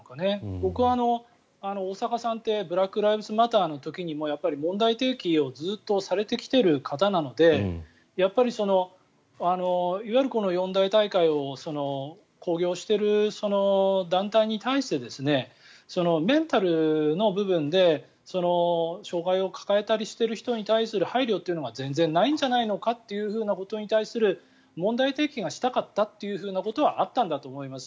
僕は大坂さんってブラック・ライブズ・マターの時にもやっぱり問題提起をずっとされてきている方なのでいわゆる四大大会を興行している団体に対してメンタルの部分で障害を抱えたりしている人に対する配慮というのが全然ないんじゃないのかということに対する問題提起がしたかったということはあったんだと思います。